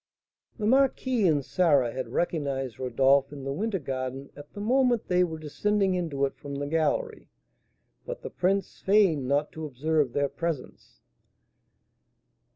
The marquise and Sarah had recognised Rodolph in the winter garden at the moment they were descending into it from the gallery; but the prince feigned not to observe their presence.